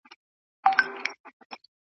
ته ملامت نه یې ګیله من له چا زه هم نه یم .